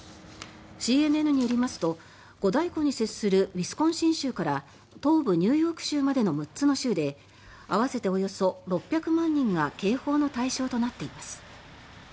ＣＮＮによりますと五大湖に接するウィスコンシン州から東部ニューヨーク州までの６つの州で合わせておよそ６００万人が警報の対象となっています。